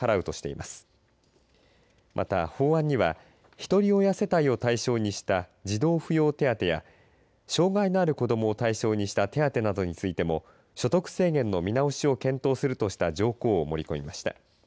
また、法案にはひとり親世帯を対象にした児童扶養手当や障害のある子どもを対象にした手当てなどについても所得制限の見直しを検討するとした条項を盛り込みました。